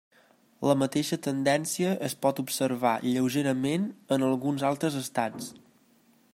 La mateixa tendència es pot observar lleugerament en alguns altres estats.